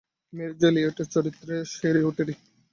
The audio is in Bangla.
ম্যারি জো এলিয়টের চরিত্রে শেরি ওটেরি।